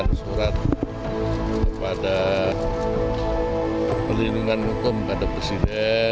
terima kasih orang orang ini